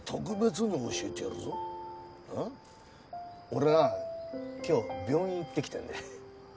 俺な今日病院行ってきたんだよ。